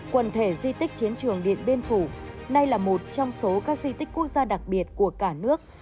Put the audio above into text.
quần thể di tích chiến trường điện biên phủ nay là một trong số các di tích quốc gia đặc biệt của cả nước